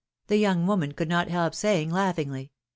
the young woman could not help saying, laughingly.